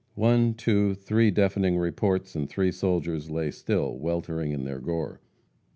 One, two, three deafening reports, and three soldiers lay still, weltering in their gore.